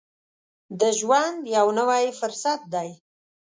د ژوند یو نوی فرصت دی.